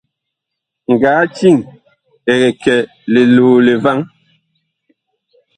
Ngatiŋ ɛg kɛ liloole vaŋ.